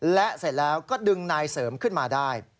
และเสร็จแล้วก็ดึงนายเสริมขึ้นมาได้